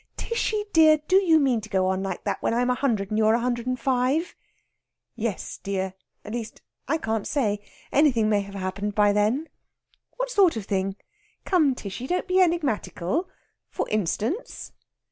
"Tishy dear, do you mean to go on like that, when I'm a hundred and you are a hundred and five?" "Yes, dear. At least, I can't say. Anything may have happened by then." "What sort of thing? Come, Tishy, don't be enigmatical. For instance?"